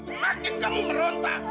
semakin kamu merontak